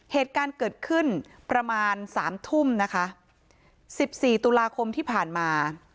เหตุการณ์เกิดขึ้นประมาณ๓ทุ่ม๑๔ตุลาคมที่ผ่านมา